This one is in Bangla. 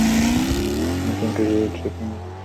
অনুষ্ঠানটি রুয়েটে সেপ্টেম্বর মাসে অনুষ্ঠিত হয়েছিলো।